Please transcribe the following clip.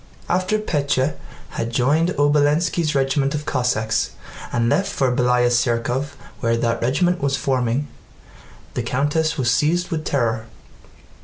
After Pétya had joined Obolénski's regiment of Cossacks and left for Bélaya Tsérkov where that regiment was forming, the countess was seized with terror.